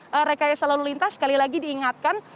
saya kayak selalu lintas sekali lagi diingatkan